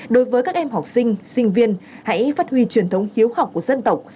đối với các em học sinh sinh viên hãy phát huy truyền thống hiếu học của dân tộc